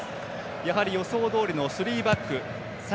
やはり予想どおりのスリーバック。